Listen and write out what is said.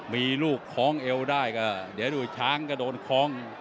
มีลูกคล้องเอวได้ก็เดี๋ยวดูช้างก็โดนคล้อง